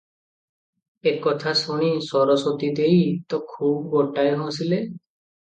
ଏ କଥା ଶୁଣି ସରସ୍ୱତୀ ଦେଈ ତ ଖୁବ୍ ଗୋଟାଏ ହସିଲେ ।